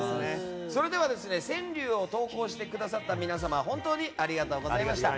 川柳を投稿してくださった皆様本当にありがとうございました。